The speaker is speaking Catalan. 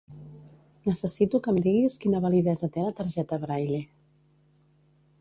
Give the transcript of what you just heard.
Necessito que em diguis quina validesa té la targeta Braille.